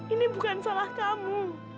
ini bukan salah kamu